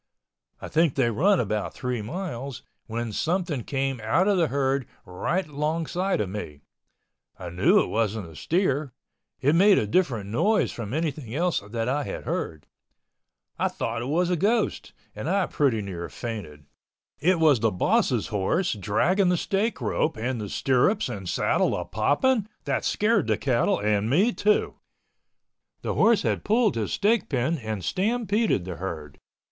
I think they run about three miles, when something came out of the herd right longside of me. I knew it wasn't a steer. It made a different noise from anything else that I had heard. I thought it was a ghost, and I pretty near fainted. It was the boss' horse dragging the stake rope and the stirrups and saddle a popping that scared the cattle and me, too. The horse had pulled his stake pin and stampeded the herd.